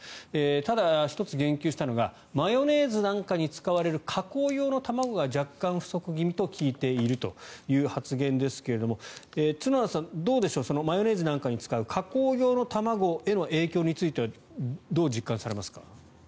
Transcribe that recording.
ただ、１つ言及したのがマヨネーズなんかに使われる加工用の卵が若干不足気味と聞いているという発言ですが角田さん、どうでしょうマヨネーズなんかに使う加工用の卵への影響についてはどう実感されますか？